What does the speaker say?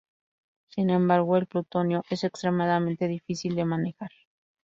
Sin embargo, el plutonio es extremadamente difícil de manejar.